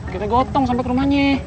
kita gotong sampai ke rumahnya